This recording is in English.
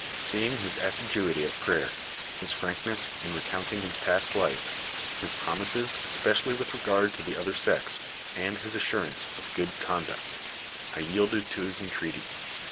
Seeing his assi duity at prayer, his frankness in recounting his past life, his promises especially with regard to the other sex, and his as surance of good conduct, I yielded to his entreaty.